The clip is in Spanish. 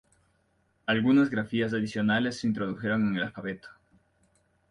Algunas grafías adicionales se introdujeron en el alfabeto.